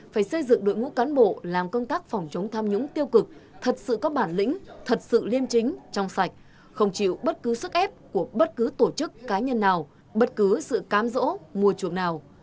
phải xây dựng đội ngũ cán bộ làm công tác phòng chống tham nhũng tiêu cực thật sự có bản lĩnh thật sự liêm chính trong sạch không chịu bất cứ sức ép của bất cứ tổ chức cá nhân nào bất cứ sự cám rỗ mua chuộc nào